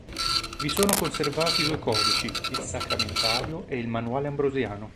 Vi sono conservati due codici: il "sacramentario" e il "manuale ambrosiano".